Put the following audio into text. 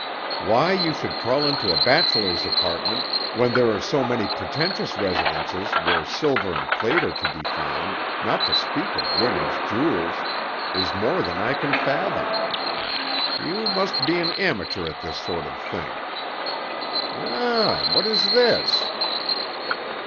Why you should crawl into a bachelor's apartment, when there are so many pretentious residences where silver and plate are to be found, not to speak of women's jewels, is more than I can fathom. You must be an amateur at this sort of thing. Um! What is this?"